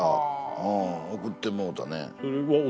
うん送ってもうたね。